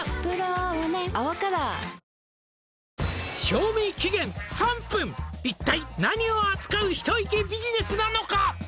「賞味期限３分一体何を扱うひと息ビジネスなのか」